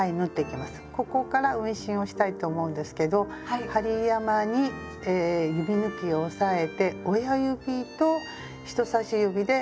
ここから運針をしたいと思うんですけど針山に指ぬきを押さえて親指と人さし指で針を上下に動かしていきます。